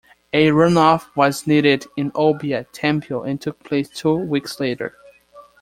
A run-off was needed in Olbia-Tempio and took place two weeks later.